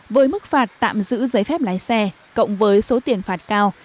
với mức phạt tạm giữ giấy phép lái xe cộng với số tiền phạt cao